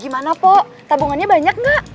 gimana pok tabungannya banyak gak